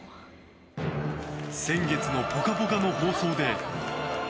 先月の「ぽかぽか」の放送で。